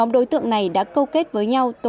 rồi lấy tốt